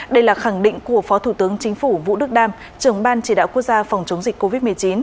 đây là khẳng định của phó thủ tướng chính phủ vũ đức đam trưởng ban chỉ đạo quốc gia phòng chống dịch covid một mươi chín